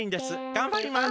がんばります。